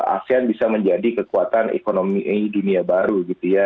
asean bisa menjadi kekuatan ekonomi dunia baru gitu ya